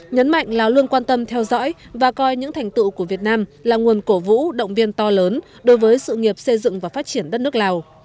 nhấn mạnh lào luôn quan tâm theo dõi và coi những thành tựu của việt nam là nguồn cổ vũ động viên to lớn đối với sự nghiệp xây dựng và phát triển đất nước lào